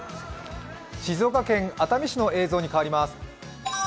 静岡県熱海市の映像に変わります。